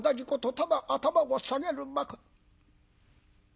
ただ頭を下げるばかり。